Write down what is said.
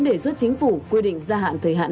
đề xuất chính phủ quy định gia hạn thời hạn